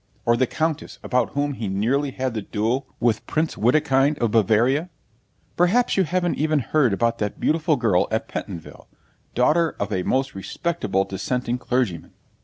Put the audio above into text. Or the countess, about whom he nearly had the duel with Prince Witikind of Bavaria? Perhaps you haven't even heard about that beautiful girl at Pentonville, daughter of a most respectable Dissenting clergyman.